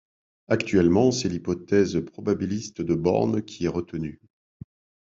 Actuellement, c'est l'hypothèse probabiliste de Born qui est retenue.